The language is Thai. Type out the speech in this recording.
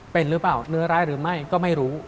เป็นหรือเปล่าเนื้อร้ายหรือไม่ก็ไม่รู้